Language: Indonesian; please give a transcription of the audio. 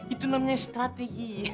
itu namanya strategi